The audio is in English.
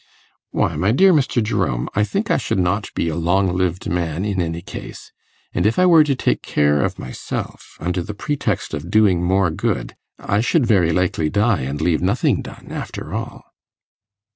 'Why, my dear Mr. Jerome, I think I should not be a long lived man in any case; and if I were to take care of myself under the pretext of doing more good, I should very likely die and leave nothing done after all.